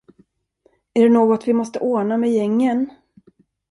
Är det något vi måste ordna med gängen?